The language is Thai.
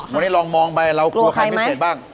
วันนี้ลองมองไปเรากลัวใครพิเศษบ้าง